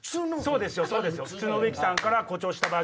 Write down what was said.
そうですよ。